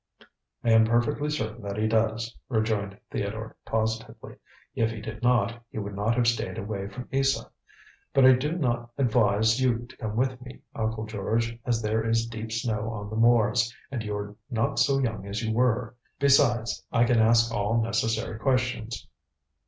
"I am perfectly certain that he does," rejoined Theodore, positively; "if he did not, he would not have stayed away from Isa. But I do not advise you to come with me, Uncle George, as there is deep snow on the moors, and you are not so young as you were. Besides, I can ask all necessary questions."